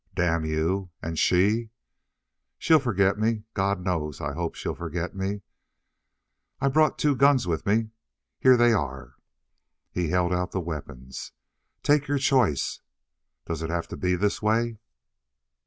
"Damn you! And she?" "She'll forget me; God knows I hope she'll forget me." "I brought two guns with me. Here they are." He held out the weapons. "Take your choice." "Does it have to be this way?"